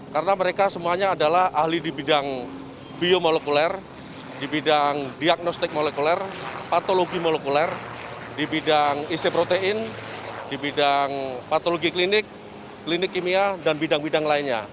karena mereka semuanya adalah ahli di bidang biomolekuler di bidang diagnostik molekuler patologi molekuler di bidang isi protein di bidang patologi klinik klinik kimia dan bidang bidang lainnya